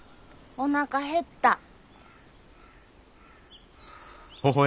おなかへった。